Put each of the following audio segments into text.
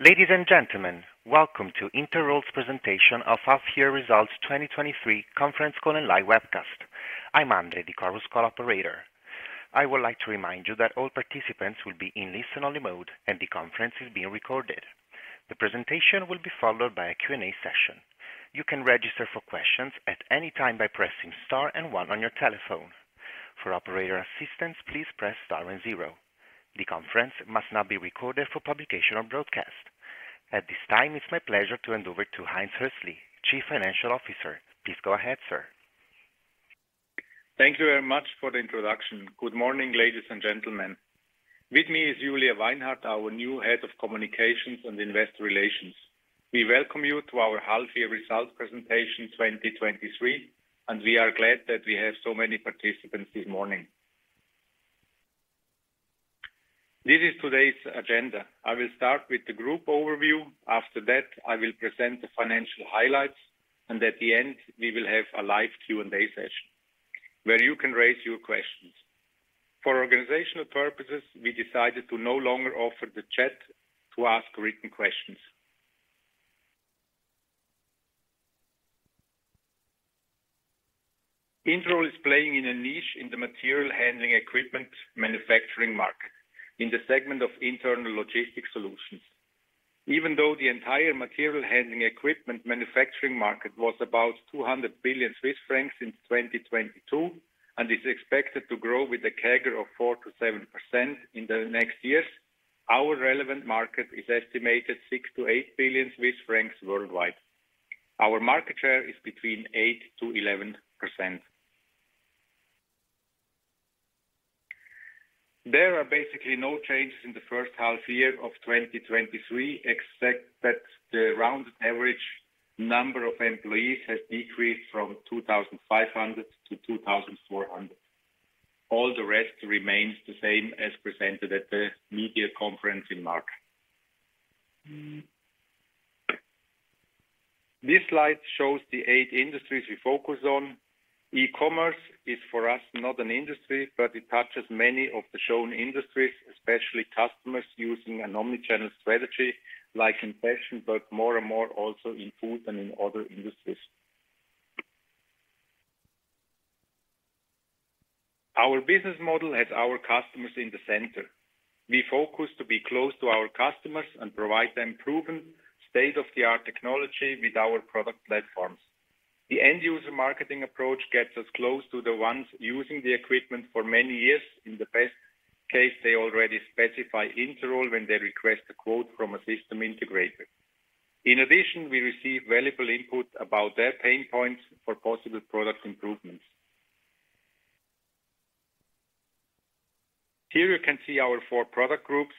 Ladies and gentlemen, welcome to Interroll's presentation of Half Year Results 2023 conference call and live webcast. I'm Andre, the call's operator. I would like to remind you that all participants will be in listen-only mode, and the conference is being recorded. The presentation will be followed by a Q&A session. You can register for questions at any time by pressing star one on your telephone. For operator assistance, please press star zero. The conference must not be recorded for publication or broadcast. At this time, it's my pleasure to hand over to Heinz Hössli, Chief Financial Officer. Please go ahead, sir. Thank you very much for the introduction. Good morning, ladies and gentlemen. With me is Julia Weinhart, our new Head of Communications and Investor Relations. We welcome you to our Half Year Results presentation 2023. We are glad that we have so many participants this morning. This is today's agenda. I will start with the group overview. After that, I will present the financial highlights, and at the end, we will have a live Q&A session where you can raise your questions. For organizational purposes, we decided to no longer offer the chat to ask written questions. Interroll is playing in a niche in the material handling equipment manufacturing market, in the segment of internal logistics solutions. Even though the entire material handling equipment manufacturing market was about 200 billion Swiss francs in 2022, and is expected to grow with a CAGR of 4%-7% in the next years, our relevant market is estimated 6 billion-8 billion Swiss francs worldwide. Our market share is between 8%-11%. There are basically no changes in the first half year of 2023, except that the rounded average number of employees has decreased from 2,500-2,400. All the rest remains the same as presented at the media conference in March. This slide shows the eight industries we focus on. E-commerce is, for us, not an industry, but it touches many of the shown industries, especially customers using an omnichannel strategy, like in fashion, but more and more also in food and in other industries. Our business model has our customers in the center. We focus to be close to our customers and provide them proven, state-of-the-art technology with our product platforms. The end user marketing approach gets us close to the ones using the equipment for many years. In the best case, they already specify Interroll when they request a quote from a system integrator. In addition, we receive valuable input about their pain points for possible product improvements. Here you can see our four product groups,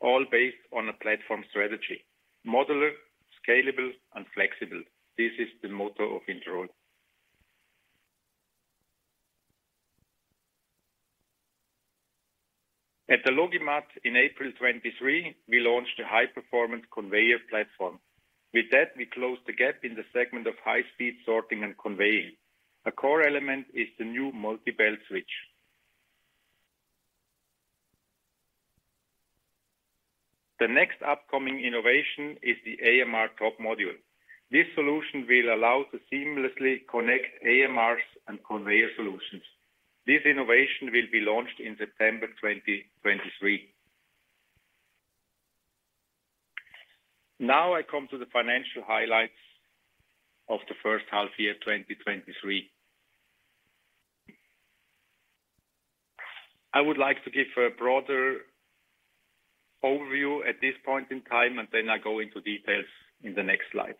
all based on a platform strategy, modular, scalable, and flexible. This is the motto of Interroll. At the LogiMAT in April 2023, we launched a High Performance Conveyor Platform. With that, we closed the gap in the segment of high-speed sorting and conveying. A core element is the new MultiBelt Switch. The next upcoming innovation is the AMR Top Module. This solution will allow to seamlessly connect AMRs and conveyor solutions. This innovation will be launched in September 2023. Now I come to the financial highlights of the first half year, 2023. I would like to give a broader overview at this point in time, and then I go into details in the next slides.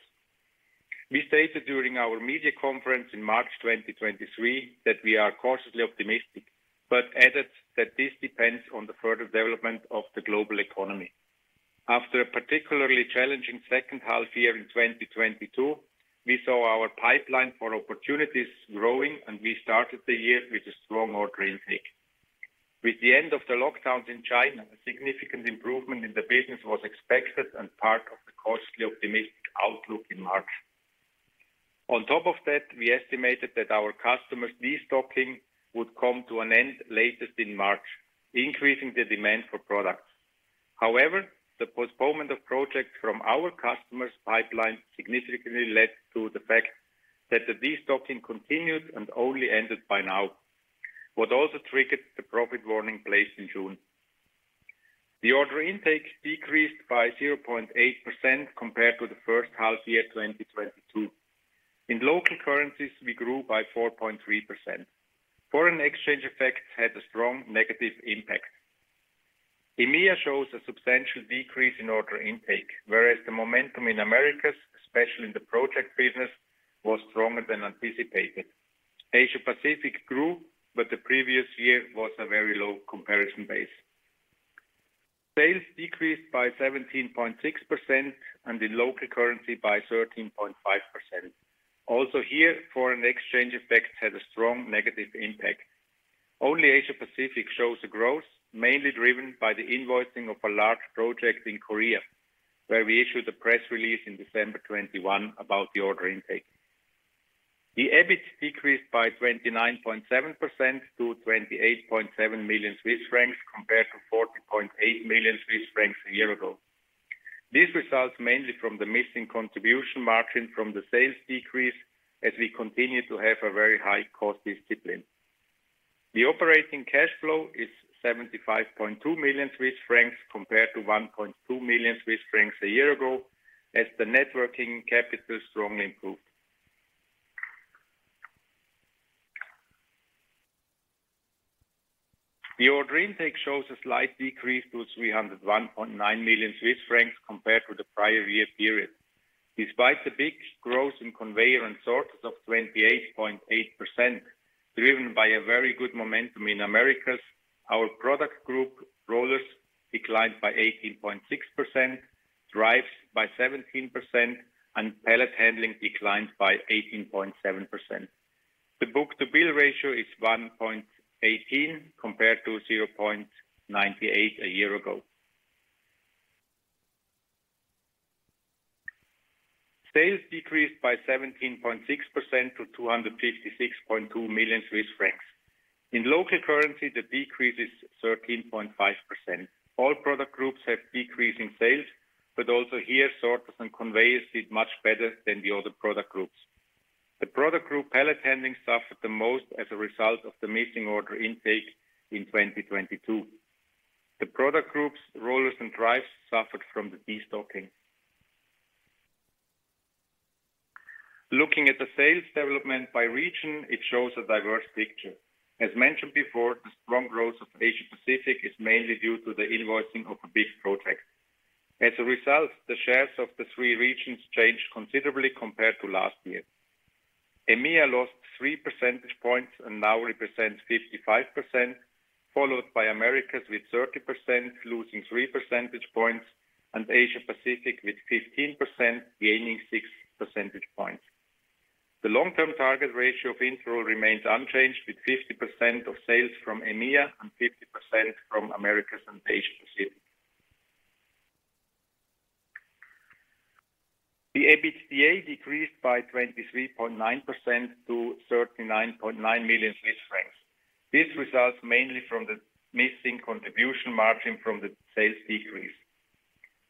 We stated during our media conference in March 2023, that we are cautiously optimistic, but added that this depends on the further development of the global economy. After a particularly challenging second half year in 2022, we saw our pipeline for opportunities growing, and we started the year with a strong order intake. With the end of the lockdowns in China, a significant improvement in the business was expected and part of the costly optimistic outlook in March. On top of that, we estimated that our customers' destocking would come to an end latest in March, increasing the demand for products. The postponement of projects from our customers' pipelines significantly led to the fact that the destocking continued and only ended by now, what also triggered the profit warning placed in June. The order intake decreased by 0.8% compared to the first half year, 2022. In local currencies, we grew by 4.3%. Foreign exchange effects had a strong negative impact. EMEA shows a substantial decrease in order intake, whereas the momentum in Americas, especially in the project business, was stronger than anticipated. Asia Pacific grew, but the previous year was a very low comparison base. Sales decreased by 17.6%, and in local currency by 13.5%. Here, foreign exchange effects had a strong negative impact. Only Asia Pacific shows a growth, mainly driven by the invoicing of a large project in Korea, where we issued a press release in December 2021 about the order intake. The EBIT decreased by 29.7% to 28.7 million Swiss francs, compared to 40.8 million Swiss francs a year ago. This results mainly from the missing contribution margin from the sales decrease, as we continue to have a very high cost discipline. The operating cash flow is 75.2 million Swiss francs, compared to 1.2 million Swiss francs a year ago, as the networking capital strongly improved. The order intake shows a slight decrease to 301.9 million Swiss francs compared to the prior year period. Despite the big growth in conveyor and sorters of 28.8%, driven by a very good momentum in Americas, our product group, Rollers, declined by 18.6%, Drives by 17%, and Pallet Handling declined by 18.7%. The book-to-bill ratio is 1.18, compared to 0.98 a year ago. Sales decreased by 17.6% to 256.2 million Swiss francs. In local currency, the decrease is 13.5%. All product groups have decreasing sales, but also here, sorters and conveyors did much better than the other product groups. The product group, Pallet Handling, suffered the most as a result of the missing order intake in 2022. The product groups, Rollers and Drives, suffered from the destocking. Looking at the sales development by region, it shows a diverse picture. As mentioned before, the strong growth of Asia Pacific is mainly due to the invoicing of a big project. As a result, the shares of the three regions changed considerably compared to last year. EMEA lost 3 percentage points and now represents 55%, followed by Americas with 30%, losing 3 percentage points, and Asia Pacific with 15%, gaining 6 percentage points. The long-term target ratio of Interroll remains unchanged, with 50% of sales from EMEA and 50% from Americas and Asia Pacific. The EBITDA decreased by 23.9% to 39.9 million Swiss francs. This results mainly from the missing contribution margin from the sales decrease.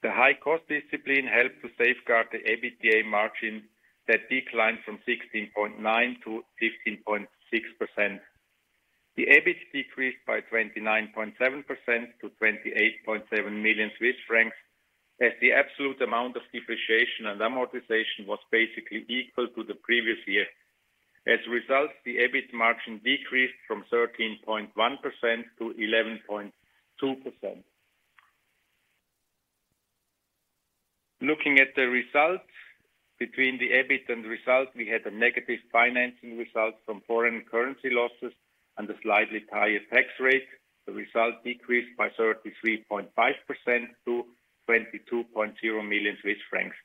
The high cost discipline helped to safeguard the EBITDA margin, that declined from 16.9%-15.6%. The EBIT decreased by 29.7% to 28.7 million Swiss francs, as the absolute amount of depreciation and amortization was basically equal to the previous year. The EBIT margin decreased from 13.1%-11.2%. Looking at the results between the EBIT and result, we had a negative financing result from foreign currency losses and a slightly higher tax rate. The result decreased by 33.5% to 22.0 million Swiss francs,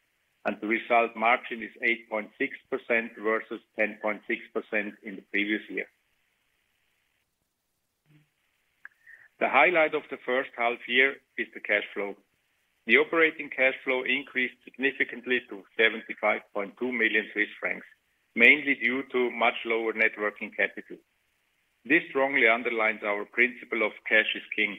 and the result margin is 8.6% versus 10.6% in the previous year. The highlight of the first half year is the cash flow. The operating cash flow increased significantly to 75.2 million Swiss francs, mainly due to much lower net working capital. This strongly underlines our principle of cash is king.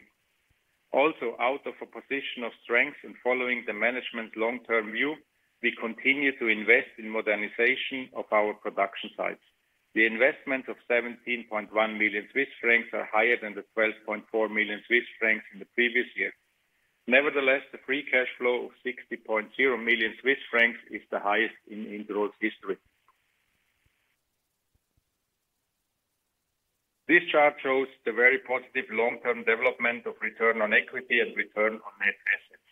Out of a position of strength and following the management long-term view, we continue to invest in modernization of our production sites. The investment of 17.1 million Swiss francs are higher than the 12.4 million Swiss francs in the previous year. The free cash flow of 60.0 million Swiss francs is the highest in Interroll's history. This chart shows the very positive long-term development of return on equity and return on net assets.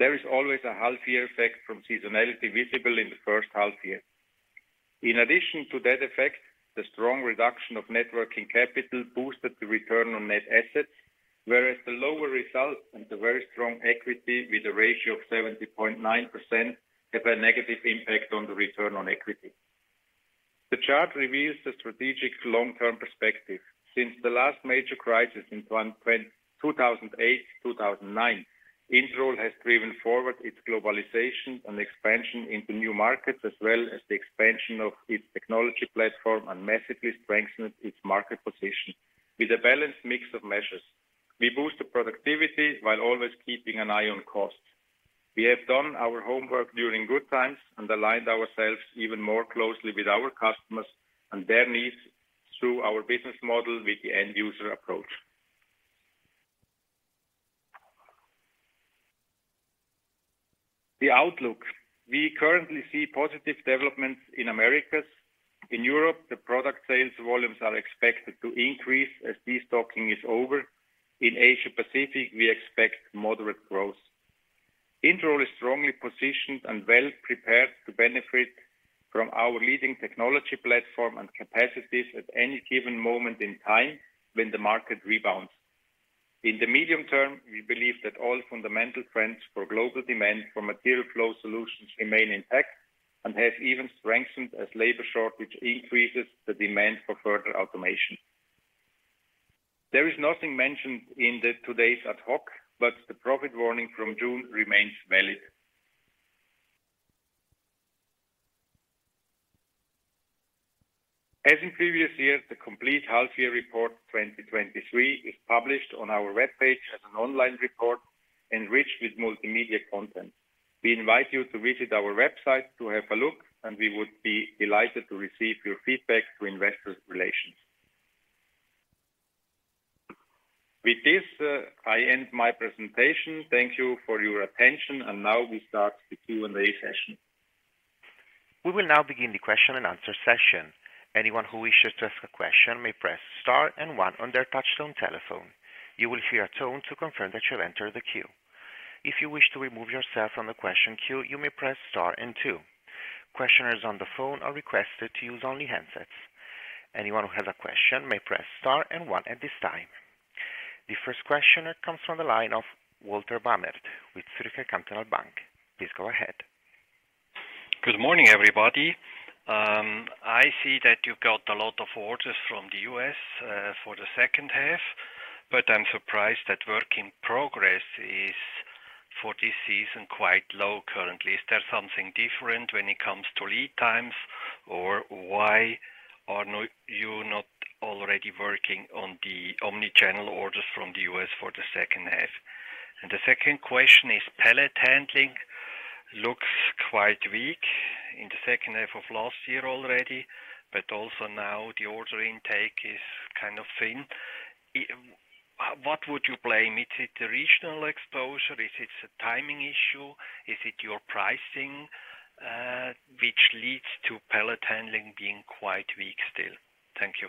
There is always a healthy effect from seasonality visible in the first half year. In addition to that effect, the strong reduction of net working capital boosted the return on net assets, whereas the lower results and the very strong equity, with a ratio of 70.9%, have a negative impact on the return on equity. The chart reveals the strategic long-term perspective. Since the last major crisis in 2008, 2009, Interroll has driven forward its globalization and expansion into new markets, as well as the expansion of its technology platform, and massively strengthened its market position. With a balanced mix of measures, we boost the productivity while always keeping an eye on cost. We have done our homework during good times and aligned ourselves even more closely with our customers and their needs through our business model with the end user approach. The outlook. We currently see positive developments in Americas. In Europe, the product sales volumes are expected to increase as destocking is over. In Asia Pacific, we expect moderate growth. Interroll is strongly positioned and well prepared to benefit from our leading technology platform and capacities at any given moment in time when the market rebounds. In the medium term, we believe that all fundamental trends for global demand for material flow solutions remain intact and have even strengthened as labor shortage increases the demand for further automation. There is nothing mentioned in the today's ad hoc. The profit warning from June remains valid. As in previous years, the complete half year report 2023 is published on our web page as an online report, enriched with multimedia content. We invite you to visit our website to have a look. We would be delighted to receive your feedback to Investor Relations. With this, I end my presentation. Thank you for your attention. Now we start the Q&A session. We will now begin the question and answer session. Anyone who wishes to ask a question may press star and one on their touch-tone telephone. You will hear a tone to confirm that you have entered the queue. If you wish to remove yourself from the question queue, you may press star and two. Questioners on the phone are requested to use only handsets. Anyone who has a question may press star and one at this time. The first questioner comes from the line of Walter Bamert with Zürcher Kantonalbank. Please go ahead. Good morning, everybody. I see that you've got a lot of orders from the U.S. for the second half, but I'm surprised that work in progress is, for this season, quite low currently. Is there something different when it comes to lead times, or why are you not already working on the omni-channel orders from the U.S. for the second half? The second question is, Pallet Handling looks quite weak in the second half of last year already, but also now the order intake is kind of thin. What would you blame? Is it the regional exposure? Is it a timing issue? Is it your pricing, which leads to Pallet Handling being quite weak still? Thank you.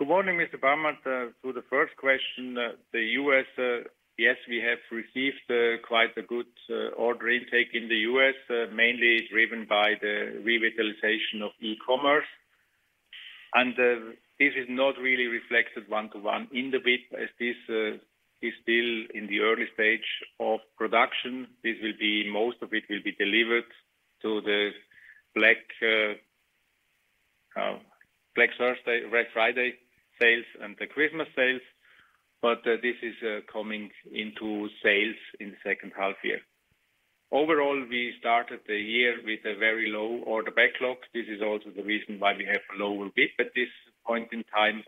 Good morning, Mr. Bamert. To the first question, the U.S., yes, we have received quite a good order intake in the U.S., mainly driven by the revitalization of e-commerce. This is not really reflected one to one in the EBIT, as this is still in the early stage of production. Most of it will be delivered to the Black Thursday, Red Friday sales and the Christmas sales, this is coming into sales in the second half year. Overall, we started the year with a very low order backlog. This is also the reason why we have a lower EBIT at this point in time,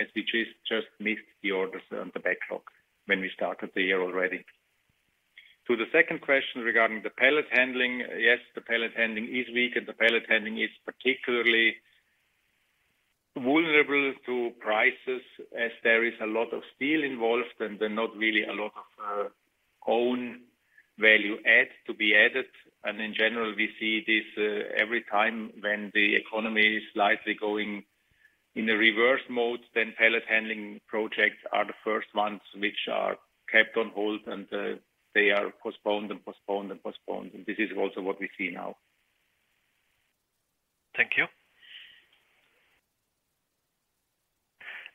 as we just missed the orders on the backlog when we started the year already. To the second question regarding the Pallet Handling, yes, the Pallet Handling is weak, and the Pallet Handling is particularly vulnerable to prices as there is a lot of steel involved and not really a lot of own value add to be added. In general, we see this every time when the economy is slightly going in a reverse mode, then Pallet Handling projects are the first ones which are kept on hold, and they are postponed and postponed and postponed. This is also what we see now. Thank you.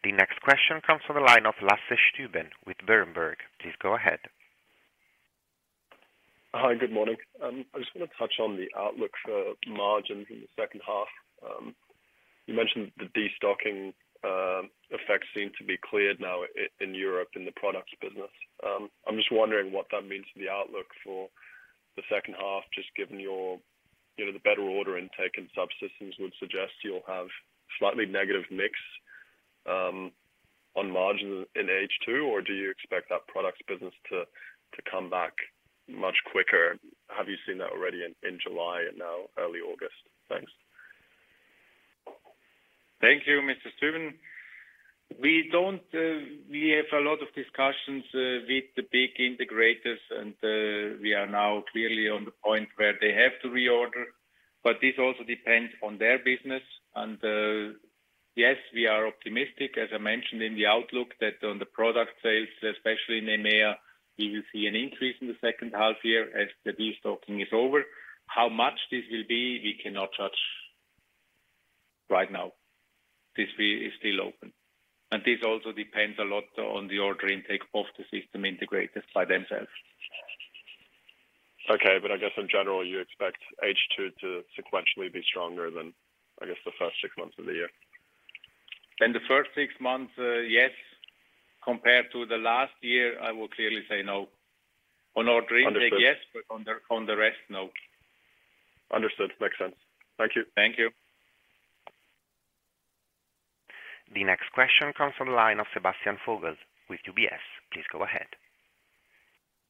The next question comes from the line of Lasse Stüben with Berenberg. Please go ahead. Hi, good morning. I just want to touch on the outlook for margins in the second half. You mentioned the destocking effects seem to be cleared now in Europe, in the products business. I'm just wondering what that means for the outlook for the second half, just given your, you know, the better order intake and subsystems would suggest you'll have slightly negative mix on margins in H2, or do you expect that products business to, to come back much quicker? Have you seen that already in, in July and now early August? Thanks. Thank you, Mr. Stüben. We don't, we have a lot of discussions with the big integrators, and we are now clearly on the point where they have to reorder, but this also depends on their business. Yes, we are optimistic, as I mentioned in the outlook, that on the product sales, especially in EMEA, we will see an increase in the second half year as the destocking is over. How much this will be, we cannot judge right now. This is still open, and this also depends a lot on the order intake of the system integrators by themselves. Okay. I guess in general, you expect H2 to sequentially be stronger than, I guess, the first six months of the year. In the first six months, yes. Compared to the last year, I will clearly say no. On order intake, yes, but on the, on the rest, no. Understood. Makes sense. Thank you. Thank you. The next question comes from the line of Sebastian Vogel with UBS. Please go ahead.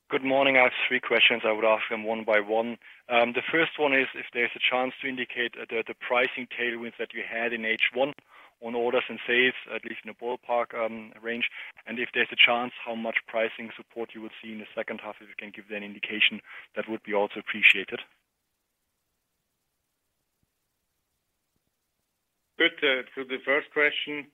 Good morning. I have three questions. I would ask them one by one. The first one is if there's a chance to indicate the, the pricing tailwinds that you had in H1 on orders and sales, at least in a ballpark range, and if there's a chance, how much pricing support you would see in the second half, if you can give an indication, that would be also appreciated. Good. To the first question,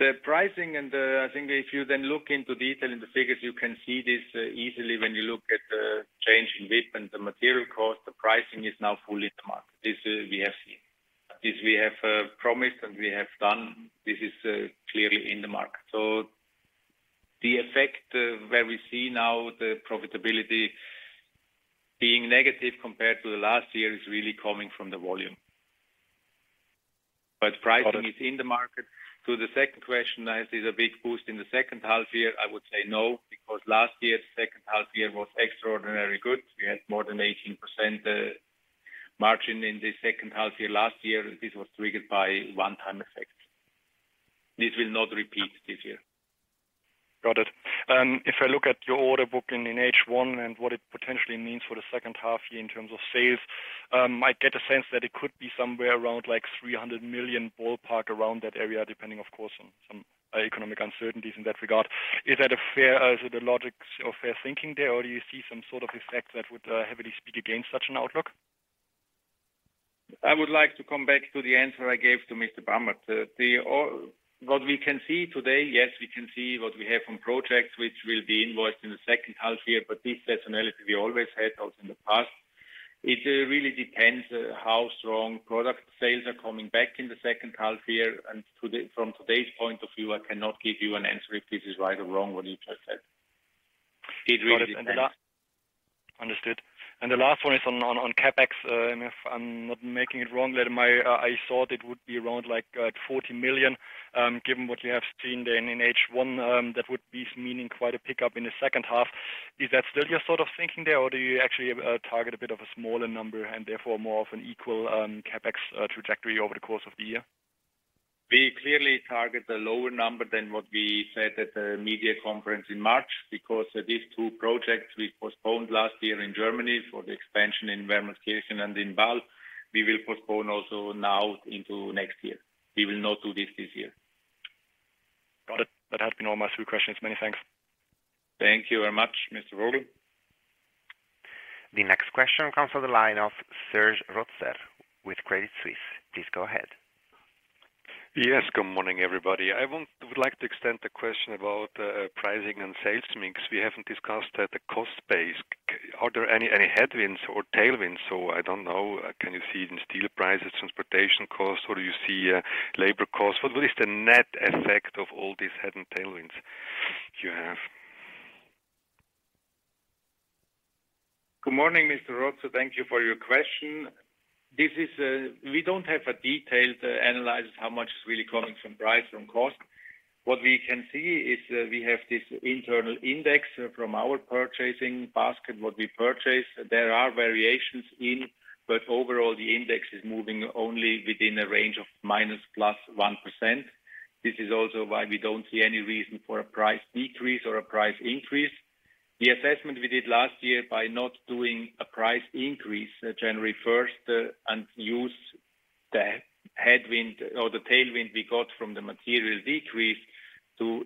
the pricing and the-- I think if you then look into detail in the figures, you can see this easily when you look at the change in WIP and the material cost, the pricing is now fully in the market. This we have seen. This we have promised and we have done, this is clearly in the market. The effect where we see now the profitability-... being negative compared to the last year is really coming from the volume. Pricing is in the market. To the second question, is a big boost in the second half year, I would say no, because last year, second half year was extraordinarily good. We had more than 18% margin in the second half year last year. This was triggered by one-time effect. This will not repeat this year. Got it. If I look at your order booking in H1 and what it potentially means for the second half year in terms of sales, might get a sense that it could be somewhere around like 3 million ballpark around that area, depending, of course, on some economic uncertainties in that regard. Is that a fair, is it a logic or fair thinking there, or do you see some sort of effect that would heavily speak against such an outlook? I would like to come back to the answer I gave to Mr. Bamert. The, or what we can see today, yes, we can see what we have from projects which will be invoiced in the second half year, but this seasonality we always had also in the past. It really depends how strong product sales are coming back in the second half year. And today, from today's point of view, I cannot give you an answer if this is right or wrong, what you just said. It really depends. Understood. The last one is on CAPEX. If I'm not making it wrong, that my, I thought it would be around like 40 million. Given what you have seen then in H1, that would be meaning quite a pickup in the second half. Is that still your sort of thinking there, or do you actually, target a bit of a smaller number and therefore more of an equal, CAPEX, trajectory over the course of the year? We clearly target the lower number than what we said at the media conference in March, because these two projects we postponed last year in Germany for the expansion in Wermelskirchen and in Balve, we will postpone also now into next year. We will not do this, this year. Got it. That has been all my three questions. Many thanks. Thank you very much, Mr. Vogel. The next question comes from the line of Serge Rotzer with Credit Suisse. Please go ahead. Yes, good morning, everybody. I would like to extend the question about pricing and sales to me, because we haven't discussed at the cost base. Are there any, any headwinds or tailwinds, or I don't know, can you see in steel prices, transportation costs, or do you see labor costs? What is the net effect of all these head and tailwinds you have? Good morning, Mr. Rotzer. Thank you for your question. This is, we don't have a detailed analysis, how much is really coming from price, from cost. What we can see is, we have this internal index from our purchasing basket, what we purchase. There are variations in, but overall, the index is moving only within a range of -+1%. This is also why we don't see any reason for a price decrease or a price increase. The assessment we did last year by not doing a price increase, January first, and use the headwind or the tailwind we got from the material decrease to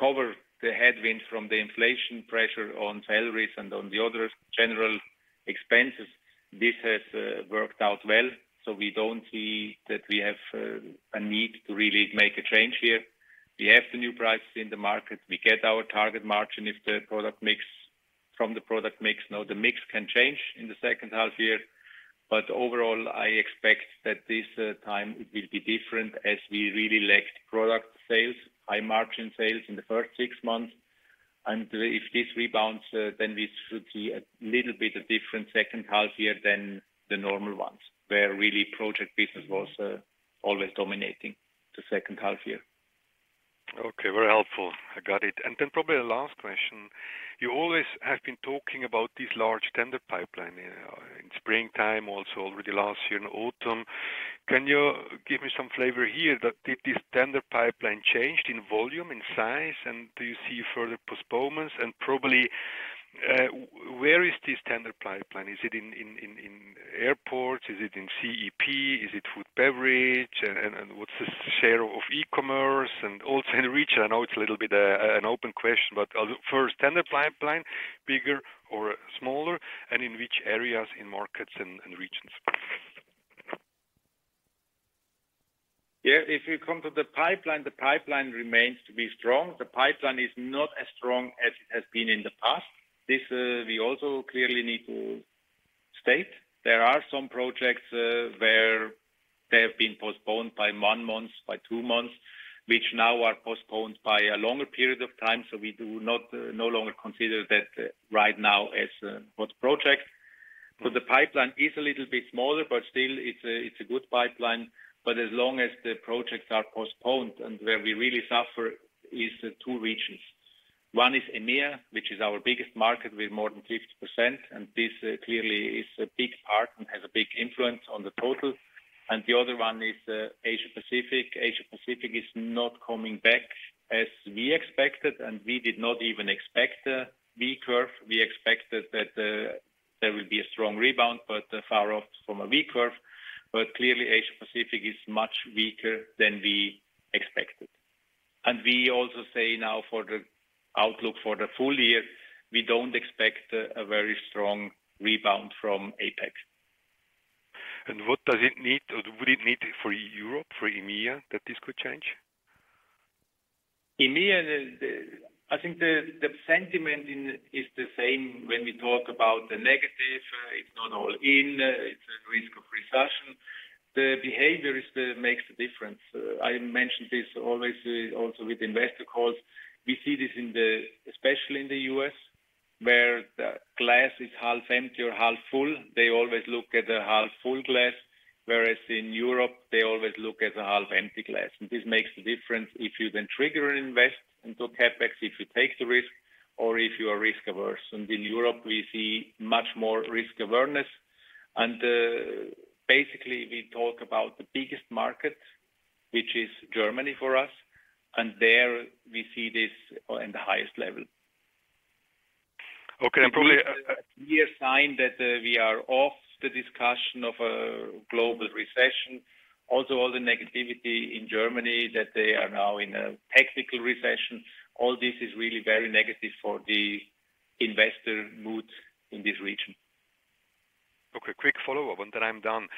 cover the headwind from the inflation pressure on salaries and on the other general expenses. This has worked out well, so we don't see that we have a need to really make a change here. We have the new prices in the market. We get our target margin from the product mix. The mix can change in the second half year, overall, I expect that this time it will be different as we really lacked product sales, high margin sales in the first six months. If this rebounds, then we should see a little bit of different second half year than the normal ones, where really project business was always dominating the second half year. Okay, very helpful. I got it. Then probably the last question, you always have been talking about this large tender pipeline in springtime, also already last year in autumn. Can you give me some flavor here that did this tender pipeline changed in volume, in size, and do you see further postponements? Probably, where is this tender pipeline? Is it in airports? Is it in CEP? Is it food, beverage? What's the share of e-commerce and also in region? I know it's a little bit an open question, but for a standard pipeline, bigger or smaller, and in which areas, in markets and, and regions? Yeah, if you come to the pipeline, the pipeline remains to be strong. The pipeline is not as strong as it has been in the past. This, we also clearly need to state. There are some projects, where they have been postponed by one month, by two months, which now are postponed by a longer period of time, so we do not, no longer consider that right now as what projects. The pipeline is a little bit smaller, but still it's a, it's a good pipeline. As long as the projects are postponed and where we really suffer is the two regions. One is EMEA, which is our biggest market with more than 50%, and this, clearly is a big part and has a big influence on the total, and the other one is, Asia Pacific. Asia Pacific is not coming back as we expected, and we did not even expect a V-curve. We expected that, there will be a strong rebound, but far off from a V-curve. Clearly, Asia Pacific is much weaker than we expected. We also say now for the outlook for the full year, we don't expect a very strong rebound from APAC. What does it need, or would it need for Europe, for EMEA, that this could change? EMEA, the, I think the, the sentiment in is the same when we talk about the negative. It's not all in, it's a risk of recession. The behavior makes a difference. I mentioned this always also with investor calls. We see this in the, especially in the U.S., where the glass is half empty or half full. They always look at the half full glass, whereas in Europe, they always look at the half empty glass. This makes the difference if you then trigger an invest into CAPEX, if you take the risk or if you are risk averse. In Europe, we see much more risk awareness. basically, we talk about the biggest market, which is Germany for us, and there we see this in the highest level. Okay. Clear sign that we are off the discussion of a global recession. Also, all the negativity in Germany, that they are now in a technical recession. All this is really very negative for the investor mood in this region. Okay, quick follow-up, and then I'm done.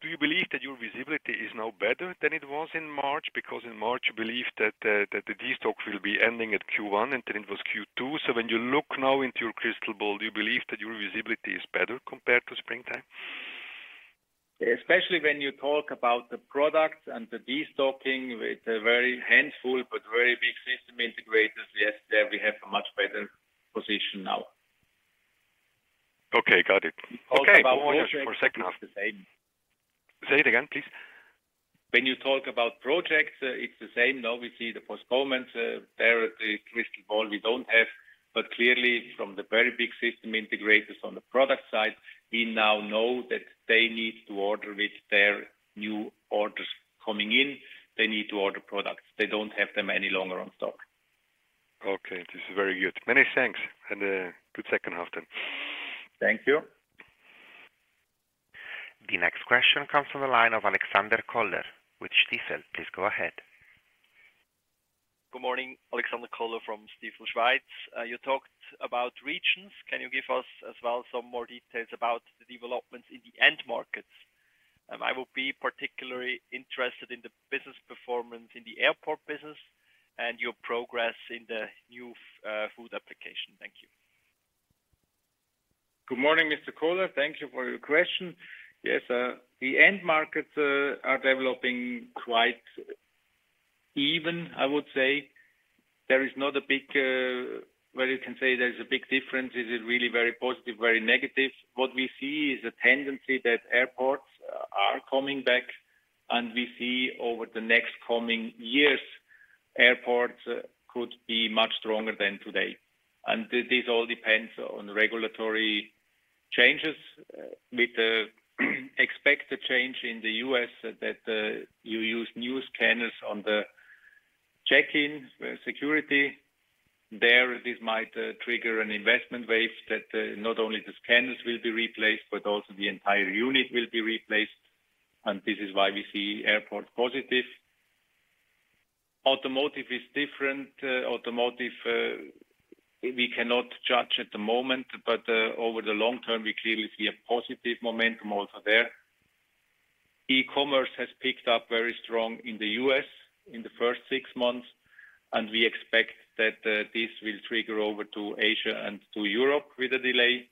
Do you believe that your visibility is now better than it was in March? Because in March, you believed that the, that the destock will be ending at Q1, and then it was Q2. When you look now into your crystal ball, do you believe that your visibility is better compared to springtime? Especially when you talk about the products and the destocking with a very handful, but very big system integrators, yes, there we have a much better position now. Okay, got it. Okay, for second half, the same. Say it again, please. When you talk about projects, it's the same. Now we see the postponement. There, the crystal ball we don't have, but clearly from the very big system integrators on the product side, we now know that they need to order with their new orders coming in. They need to order products. They don't have them any longer on stock. Okay, this is very good. Many thanks, good second half then. Thank you. The next question comes from the line of Alexander Koller with Stifel. Please go ahead. Good morning, Alexander Koller from Stifel Schweiz. You talked about regions. Can you give us as well some more details about the developments in the end markets? I will be particularly interested in the business performance in the airport business and your progress in the new food application. Thank you. Good morning, Mr. Koller. Thank you for your question. Yes, the end markets are developing quite even, I would say. There is not a big, where you can say there is a big difference. Is it really very positive, very negative? What we see is a tendency that airports are coming back, and we see over the next coming years, airports could be much stronger than today. This all depends on regulatory changes. With the expected change in the U.S., that you use new scanners on the check-in security there, this might trigger an investment wave that not only the scanners will be replaced, but also the entire unit will be replaced, and this is why we see airport positive. Automotive is different. Automotive, we cannot judge at the moment, but over the long term, we clearly see a positive momentum also there. E-commerce has picked up very strong in the U.S. in the first six months, and we expect that this will trigger over to Asia and to Europe with a delay.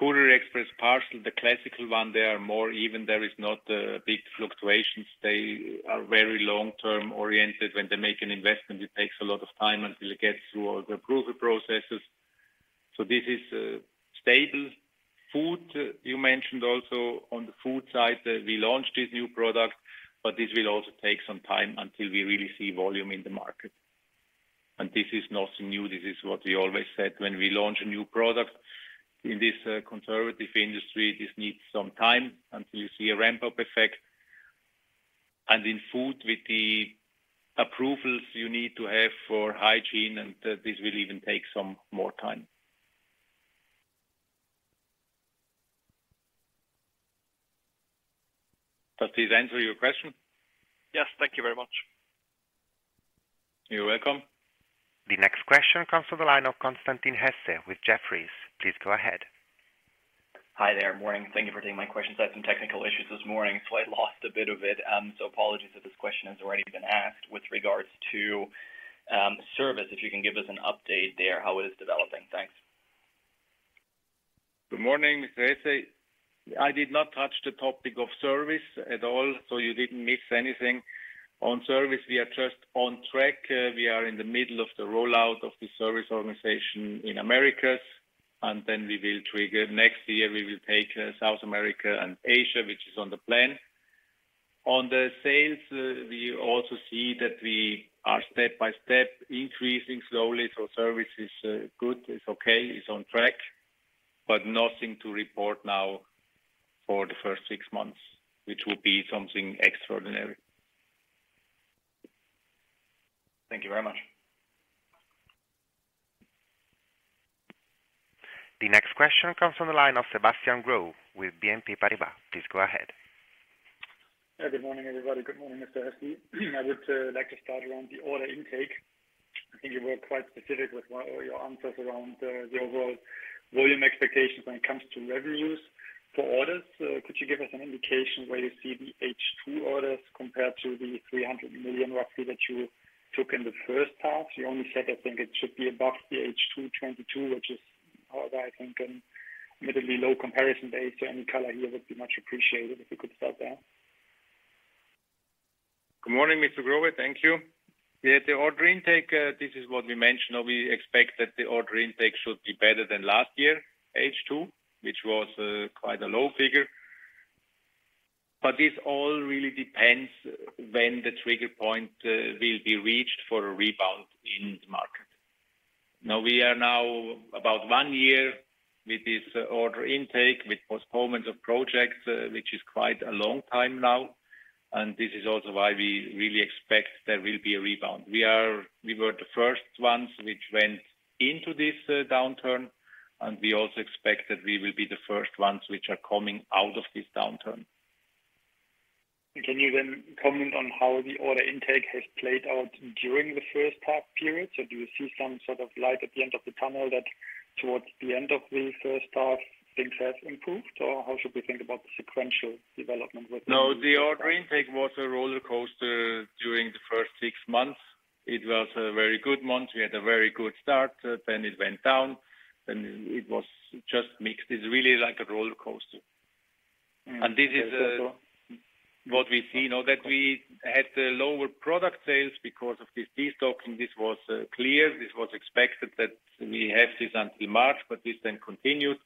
Courier, Express, and Parcel, the classical one, they are more even. There is not big fluctuations. They are very long-term oriented. When they make an investment, it takes a lot of time until it gets through all the approval processes. This is stable. Food, you mentioned also on the food side, we launched this new product, but this will also take some time until we really see volume in the market. This is nothing new. This is what we always said when we launch a new product. In this conservative industry, this needs some time until you see a ramp-up effect. In food, with the approvals you need to have for hygiene, and this will even take some more time. Does this answer your question? Yes, thank you very much. You're welcome. The next question comes from the line of Constantin Hesse with Jefferies. Please go ahead. Hi there. Morning. Thank you for taking my questions. I had some technical issues this morning, so I lost a bit of it. Apologies if this question has already been asked with regards to service, if you can give us an update there, how it is developing? Thanks. Good morning, Mr. Hesse. I did not touch the topic of service at all, so you didn't miss anything. On service, we are just on track. We are in the middle of the rollout of the service organization in Americas, and then we will trigger. Next year, we will take South America and Asia, which is on the plan. On the sales, we also see that we are step-by-step, increasing slowly, so service is good, it's okay, it's on track, but nothing to report now for the first six months, which would be something extraordinary. Thank you very much. The next question comes from the line of Sebastian Hebeisen with BNP Paribas. Please go ahead. Good morning, everybody. Good morning, Mr.Hössli. I would like to start around the order intake. I think you were quite specific with all your answers around the overall volume expectations when it comes to revenues for orders. Could you give us an indication where you see the H2 orders compared to the 300 million roughly that you took in the first half? You only said, I think it should be above the H2 2022, which is, however, I think, an admittedly low comparison base, so any color here would be much appreciated if you could start there. Good morning, Mr. Hebeisen. Thank you. Yeah, the order intake, this is what we mentioned. We expect that the order intake should be better than last year, H2, which was quite a low figure. This all really depends when the trigger point will be reached for a rebound in the market. Now, we are now about one year with this order intake, with postponement of projects, which is quite a long time now, and this is also why we really expect there will be a rebound. We were the first ones which went into this downturn, and we also expect that we will be the first ones which are coming out of this downturn. Can you comment on how the order intake has played out during the first half period? Do you see some sort of light at the end of the tunnel that towards the end of the first half, things have improved, or how should we think about the sequential development with... No, the order intake was a roller coaster during the first six months. It was a very good month. We had a very good start, then it went down, then it was just mixed. It's really like a roller coaster. This is what we see now, that we had lower product sales because of this destocking. This was clear. This was expected that we have this until March, but this then continued.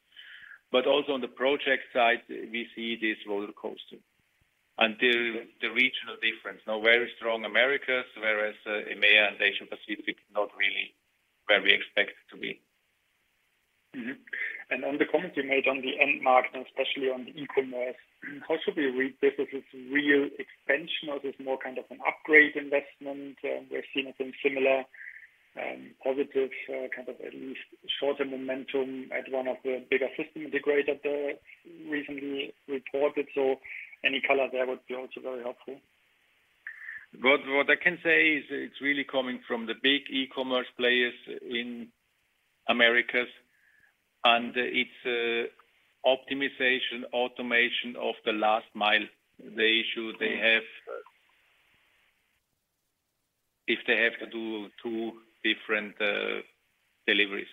Also on the project side, we see this roller coaster until the regional difference. Now, very strong Americas, whereas EMEA and Asia Pacific, not really where we expect it to be. On the comment you made on the end market, especially on the e-commerce, how should we read this as a real expansion, or is this more kind of an upgrade investment? We're seeing something similar, positive, kind of at least shorter momentum at one of the bigger system integrators that recently reported. Any color there would be also very helpful. What I can say is it's really coming from the big e-commerce players in Americas, and it's optimization, automation of the last mile, the issue they have. If they have to do two different deliveries.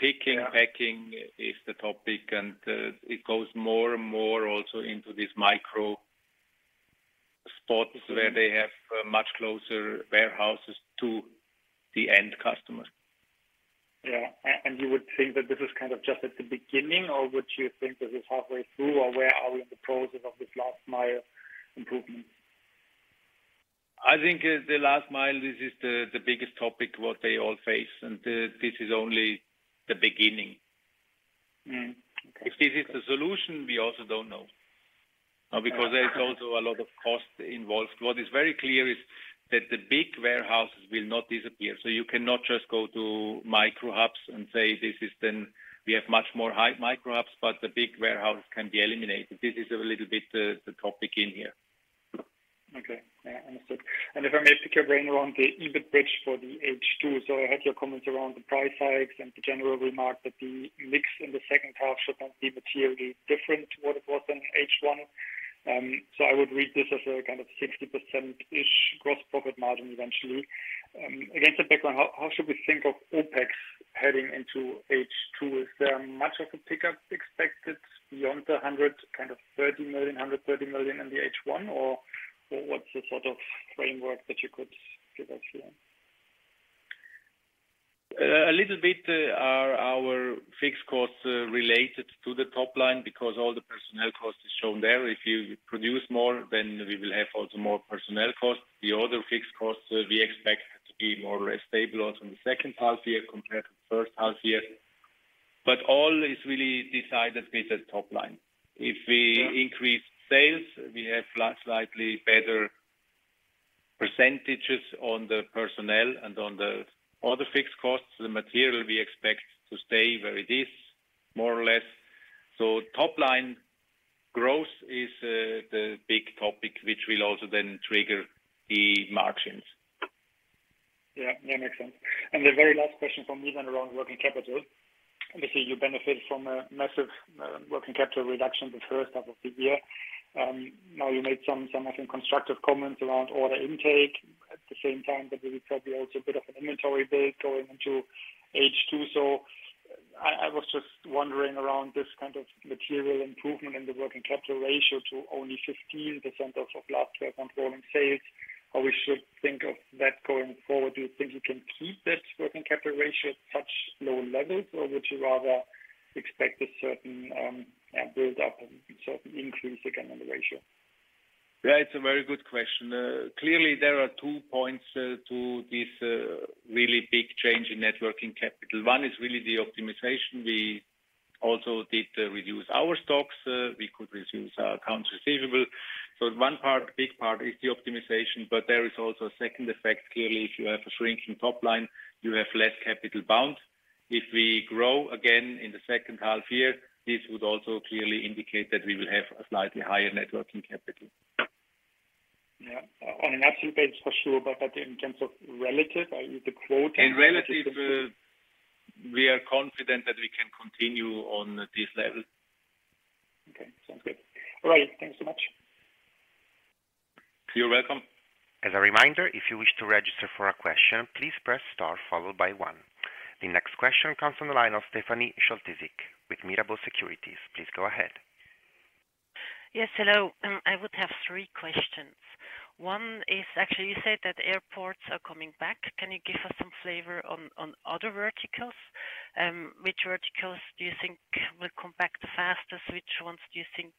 Picking, packing is the topic, and it goes more and more also into these micro spots where they have much closer warehouses to the end customer. Yeah. you would think that this is kind of just at the beginning, or would you think this is halfway through, or where are we in the process of this last mile improvement? I think the last mile, this is the biggest topic, what they all face. This is only the beginning. Okay. If this is the solution, we also don't know, because there is also a lot of cost involved. What is very clear is that the big warehouses will not disappear. You cannot just go to micro hubs and say, we have much more high micro hubs, but the big warehouse can be eliminated. This is a little bit, the topic in here. Okay. Yeah, understood. If I may pick your brain around the EBIT bridge for the H2. I had your comments around the price hikes and the general remark that the mix in the second half should not be materially different to what it was in H1. I would read this as a kind of 60%-ish gross profit margin eventually. Against the background, how should we think of OPEX heading into H2? Is there much of a pickup expected beyond the 130 million in the H1, or what's the sort of framework that you could give us here? A little bit are our fixed costs related to the top line because all the personnel costs is shown there. If you produce more, we will have also more personnel costs. The other fixed costs, we expect to be more or less stable also in the second half year compared to the first half year. All is really decided with the top line. If we increase sales, we have slightly better percentages on the personnel and on the other fixed costs. The material we expect to stay where it is, more or less. Top line growth is the big topic, which will also then trigger the margins. Yeah, yeah, makes sense. The very last question from me, then, around working capital. Obviously, you benefited from a massive working capital reduction the first half of the year. Now, you made some, some, I think, constructive comments around order intake. At the same time, there will be probably also a bit of an inventory build going into H2. I, I was just wondering around this kind of material improvement in the working capital ratio to only 15% of last year on growing sales, how we should think of that going forward. Do you think you can keep that working capital ratio at such low levels, or would you rather expect a certain build-up and certain increase again on the ratio? Yeah, it's a very good question. Clearly, there are two points, to this, really big change in net working capital. One is really the optimization. We also did reduce our stocks. We could reduce our accounts receivable. One part, big part is the optimization, but there is also a second effect. Clearly, if you have a shrinking top line, you have less capital bound. If we grow again in the second half year, this would also clearly indicate that we will have a slightly higher net working capital. Yeah, on an absolute base, for sure, but in terms of relative, are you the quote- In relative, we are confident that we can continue on this level. Okay, sounds good. All right. Thanks so much. You're welcome. As a reminder, if you wish to register for a question, please press star followed by one. The next question comes from the line of Stefanie Scholtissek, with Mirabaud Securities. Please go ahead. Yes, hello. I would have three questions. One is, actually, you said that airports are coming back. Can you give us some flavor on, on other verticals? Which verticals do you think will come back the fastest? Which ones do you think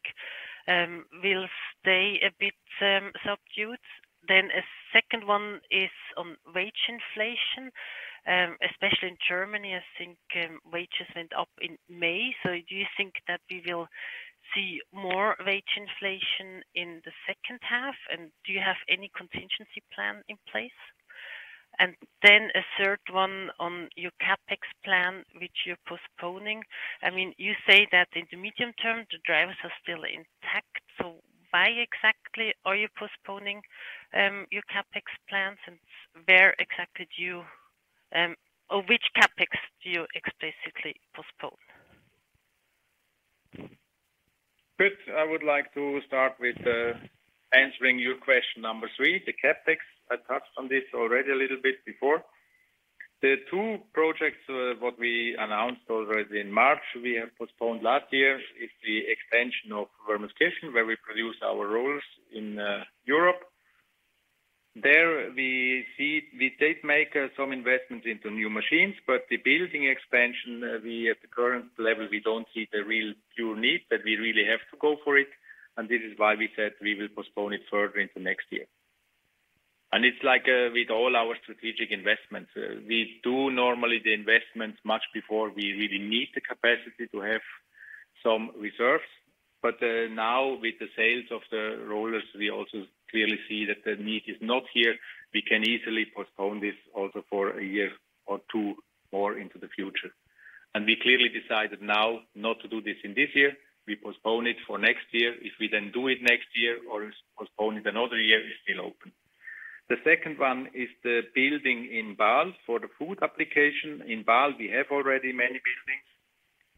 will stay a bit subdued? A second one is on wage inflation, especially in Germany, I think, wages went up in May. Do you think that we will see more wage inflation in the second half? Do you have any contingency plan in place? A third one on your CAPEX plan, which you're postponing. I mean, you say that in the medium term, the drivers are still intact, why exactly are you postponing your CAPEX plans, and where exactly do you, or which CAPEX do you explicitly postpone? Good. I would like to start with answering your question number three, the CAPEX. I touched on this already a little bit before. The two projects, what we announced already in March, we have postponed last year, is the extension of Wermelskirchen, where we produce our Rollers in Europe. There we did make some investments into new machines, but the building expansion, we at the current level, we don't see the real pure need, that we really have to go for it, this is why we said we will postpone it further into next year. It's like, with all our strategic investments, we do normally the investments much before we really need the capacity to have some reserves. Now with the sales of the Rollers, we also clearly see that the need is not here. We can easily postpone this also for a year or two more into the future. We clearly decided now not to do this in this year. We postpone it for next year. If we then do it next year or postpone it another year, it's still open. The second one is the building in Balve for the food application. In Balve, we have already many buildings,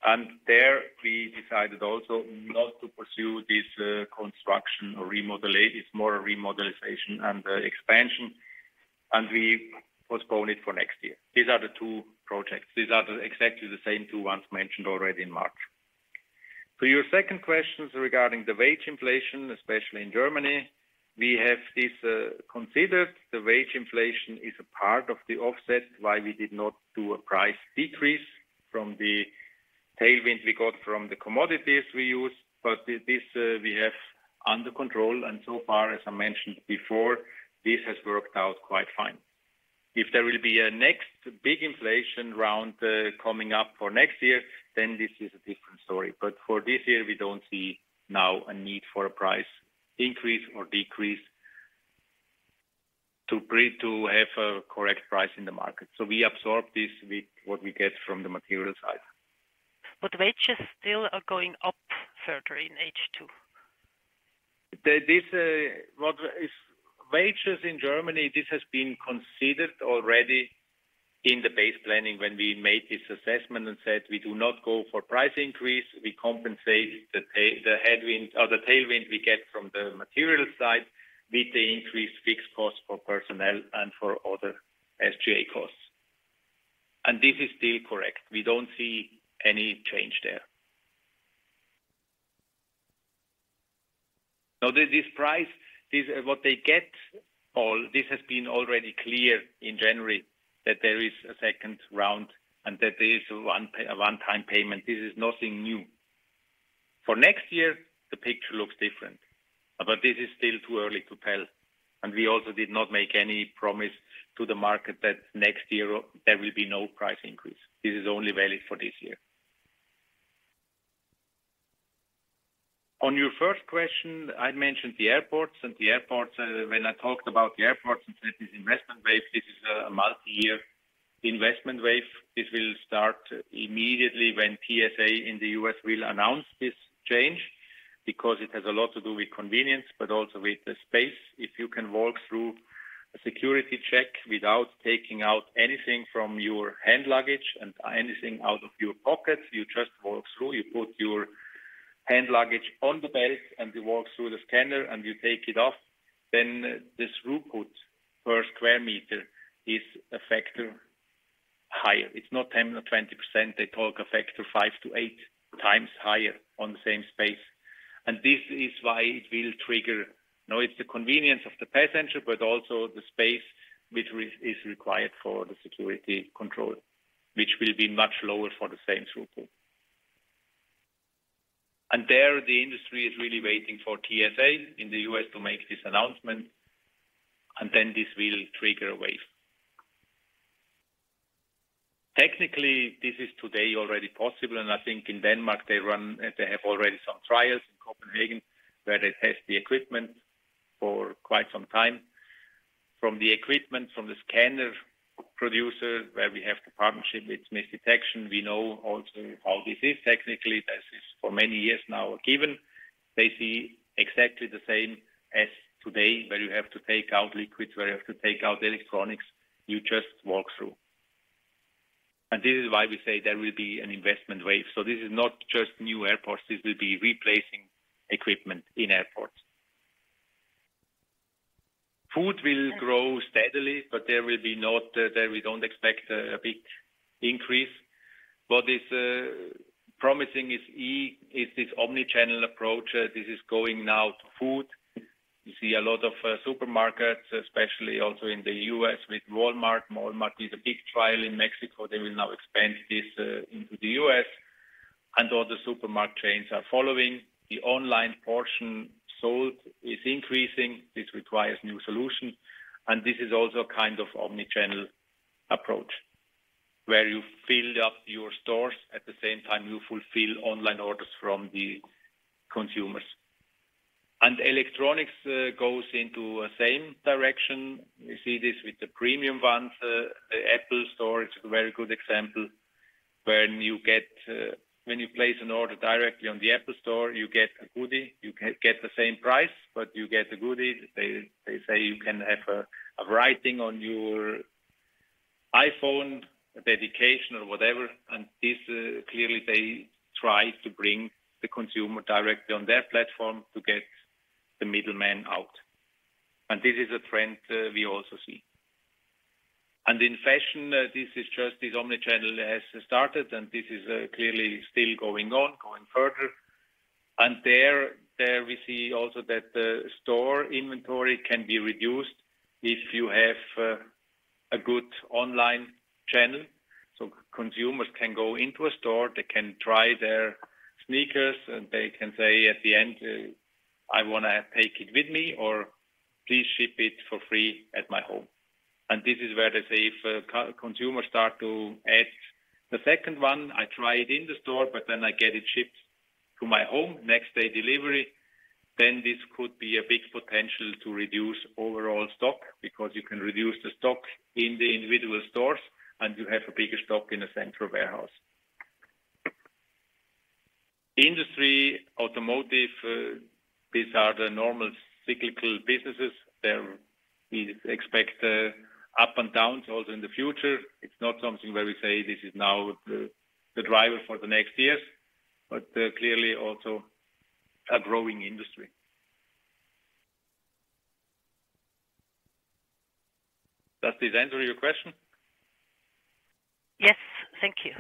and there we decided also not to pursue this construction or this more a remodelization and expansion, and we postpone it for next year. These are the two projects. These are the exactly the same two ones mentioned already in March. Your second question is regarding the wage inflation, especially in Germany. We have this considered. The wage inflation is a part of the offset, why we did not do a price decrease from the tailwinds we got from the commodities we use, but this, we have under control, and so far, as I mentioned before, this has worked out quite fine. If there will be a next big inflation round, coming up for next year, then this is a different story. For this year, we don't see now a need for a price increase or decrease to have a correct price in the market. We absorb this with what we get from the material side. Wages still are going up further in H2. Wages in Germany, this has been considered already in the base planning when we made this assessment and said, we do not go for price increase, we compensate the pay, the headwind or the tailwind we get from the material side with the increased fixed cost for personnel and for other SG&A costs. This is still correct. We don't see any change there. This, this price, this is what they get, or this has been already clear in January, that there is a second round and that there is a one-time payment. This is nothing new. For next year, the picture looks different, but this is still too early to tell. We also did not make any promise to the market that next year there will be no price increase. This is only valid for this year. On your first question, I mentioned the airports, and the airports, when I talked about the airports and said, this investment wave, this is a multi-year investment wave. This will start immediately when TSA in the U.S. will announce this change, because it has a lot to do with convenience, but also with the space. If you can walk through a security check without taking out anything from your hand luggage and anything out of your pockets, you just walk through, you put your hand luggage on the belt, and you walk through the scanner, and you take it off, then this throughput per square meter is a factor higher. It's not 10% or 20%. They talk a factor 5x to 8x higher on the same space. This is why it will trigger. It's the convenience of the passenger, but also the space which is required for the security control, which will be much lower for the same throughput. There, the industry is really waiting for TSA in the U.S. to make this announcement, and then this will trigger a wave. Technically, this is today already possible, and I think in Denmark, they have already some trials in Copenhagen, where they test the equipment for quite some time. From the equipment, from the scanner producer, where we have the partnership with Mist Detection, we know also how this is technically. This is for many years now, given. They see exactly the same as today, where you have to take out liquids, where you have to take out electronics, you just walk through. This is why we say there will be an investment wave. This is not just new airports, this will be replacing equipment in airports. Food will grow steadily, there will be not, there we don't expect a big increase. What is promising is this omni-channel approach. This is going now to food. You see a lot of supermarkets, especially also in the U.S. with Walmart. Walmart is a big trial in Mexico. They will now expand this into the U.S., and all the supermarket chains are following. The online portion sold is increasing. This requires new solutions, and this is also a kind of omni-channel approach, where you fill up your stores, at the same time, you fulfill online orders from the consumers. Electronics goes into a same direction. You see this with the premium ones. The Apple Store is a very good example. When you get, when you place an order directly on the Apple Store, you get a goodie. You get, get the same price, but you get a goodie. They, they say you can have a, a writing on your iPhone, a dedication or whatever, and this, clearly they try to bring the consumer directly on their platform to get the middleman out. This is a trend, we also see. In fashion, this is just this omni-channel has started, and this is, clearly still going on, going further. There, there we see also that the store inventory can be reduced if you have a good online channel. Consumers can go into a store, they can try their sneakers, and they can say at the end, I want to take it with me, or, Please ship it for free at my home. This is where they say, if a consumer start to add the second one, I try it in the store, but then I get it shipped to my home, next day delivery, then this could be a big potential to reduce overall stock, because you can reduce the stock in the individual stores, and you have a bigger stock in a central warehouse. Industry, automotive, these are the normal cyclical businesses. There we expect, up and downs also in the future. It's not something where we say this is now the, the driver for the next years, but, clearly also a growing industry. Does this answer your question? Yes. Thank you.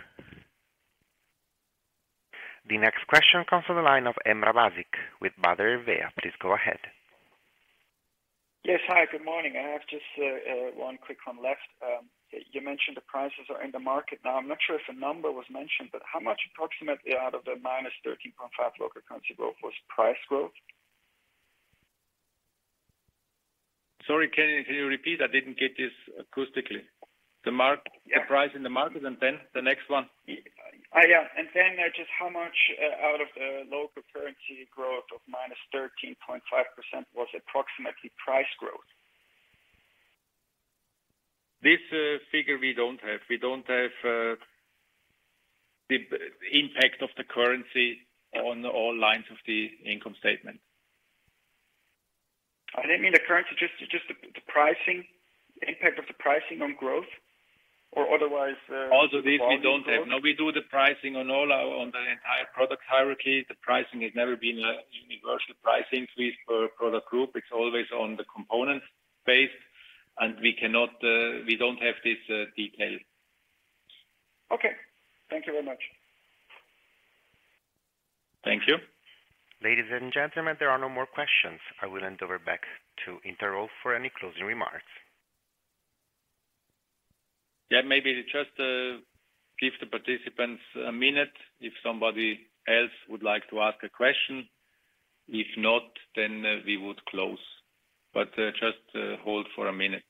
The next question comes from the line of Emrah Basic with Barclays. Please go ahead. Yes. Hi, good morning. I have just one quick one left. You mentioned the prices are in the market now. I'm not sure if a number was mentioned, but how much approximately out of the -13.5% local currency growth was price growth? Sorry, can you repeat? I didn't get this acoustically. The mark- Yeah. The price in the market and then the next one. Yeah. Just how much, out of the local currency growth of -13.5% was approximately price growth? This figure we don't have. We don't have the impact of the currency on all lines of the income statement. I didn't mean the currency, just, just the, the pricing, impact of the pricing on growth or otherwise. This we don't have. No, we do the pricing on the entire product hierarchy. The pricing has never been a universal price increase per product group. It's always on the component base, and we cannot, we don't have this detail. Okay. Thank you very much. Thank you. Ladies and gentlemen, there are no more questions. I will hand over back to Interroll for any closing remarks. Yeah, maybe just, give the participants a minute if somebody else would like to ask a question. If not, we would close. Just, hold for a minute.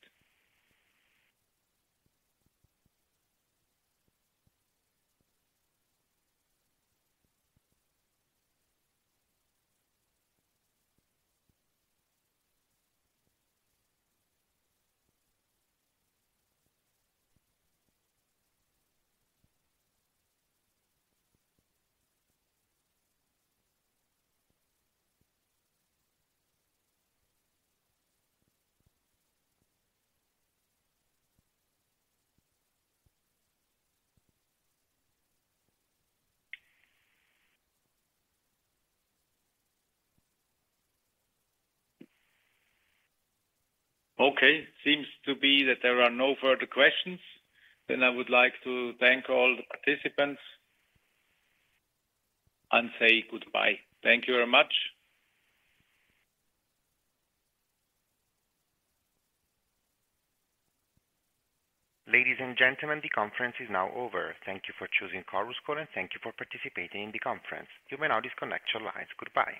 Okay. Seems to be that there are no further questions. I would like to thank all the participants and say goodbye. Thank you very much. Ladies and gentlemen, the conference is now over. Thank you for choosing Chorus Call, and thank you for participating in the conference. You may now disconnect your lines. Goodbye.